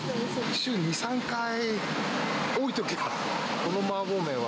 週２、３回、多いときは。